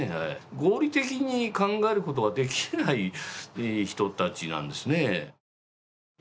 合理的に考えることができない人たちなんですね。